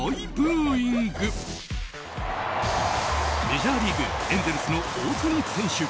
メジャーリーグエンゼルスの大谷選手。